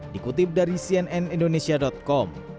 dikutip dari cnnindonesia com